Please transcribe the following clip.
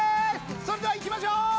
それではいきましょう！